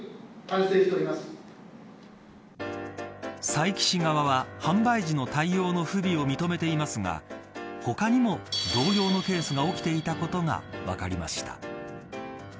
佐伯市側は、販売時の対応の不備を認めていますが他にも同様のケースが起きていたことが分かりました。